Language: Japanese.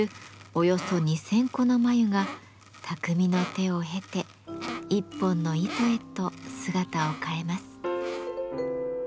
およそ２，０００個の繭が匠の手を経て１本の糸へと姿を変えます。